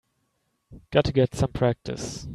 Got to get some practice.